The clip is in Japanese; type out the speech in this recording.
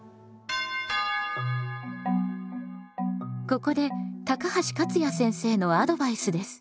ここで高橋勝也先生のアドバイスです。